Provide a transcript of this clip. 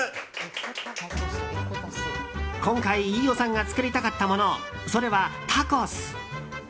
今回、飯尾さんが作りたかったもの、それはタコス。